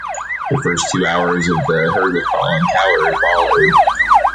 The first two hours of "The Herd with Colin Cowherd" followed.